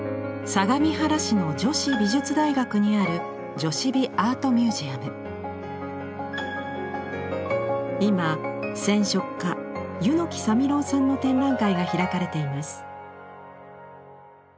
相模原市の女子美術大学にある今染色家柚木沙弥郎さんの展覧会が開かれています。